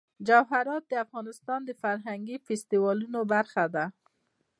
جواهرات د افغانستان د فرهنګي فستیوالونو برخه ده.